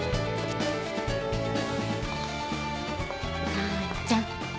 完ちゃん。